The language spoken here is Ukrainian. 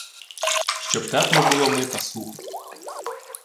Щоб тепло було ми та сухо.